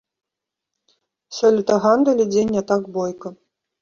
Сёлета гандаль ідзе не так бойка.